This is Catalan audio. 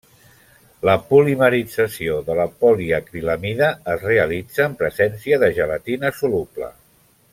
La polimerització de la poliacrilamida es realitza en presència de gelatina soluble.